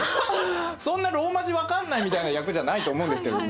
そんなローマ字分かんないみたいな役じゃないと思うんですけどね。